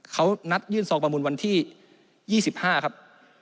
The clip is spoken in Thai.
เขานัดยื่นซองประมูลวันที่๒๕ครับ